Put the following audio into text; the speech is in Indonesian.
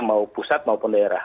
mau pusat maupun daerah